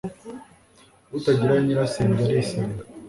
utagita nyirasenge arisenga